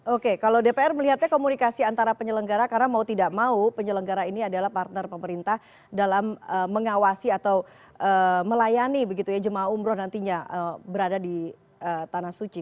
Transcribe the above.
oke kalau dpr melihatnya komunikasi antara penyelenggara karena mau tidak mau penyelenggara ini adalah partner pemerintah dalam mengawasi atau melayani begitu ya jemaah umroh nantinya berada di tanah suci